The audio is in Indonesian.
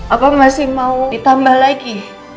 apa masih mau ditambah lagi